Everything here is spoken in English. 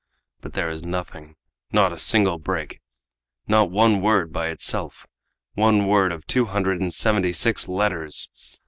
But there is nothing not a single break! not one word by itself! One word of two hundred and seventy six letters!